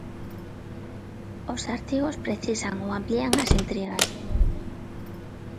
Os artigos precisan ou amplían as intrigas.